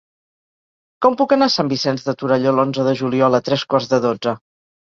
Com puc anar a Sant Vicenç de Torelló l'onze de juliol a tres quarts de dotze?